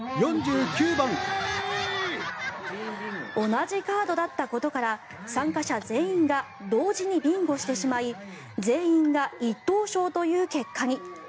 同じカードだったことから参加者全員が同時にビンゴしてしまい全員が１等賞という結果に。